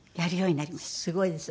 すごいです。